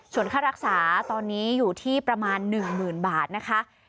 ส่วนค่ารักษาตอนนี้อยู่ที่ประมาณหนึ่งหมื่นบาทนะคะ